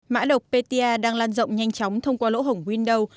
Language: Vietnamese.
mã độc petya đang lan rộng nhanh chóng thông qua lỗ hổng windows